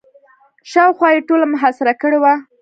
شاوخوا یې ټوله محاصره کړې وه.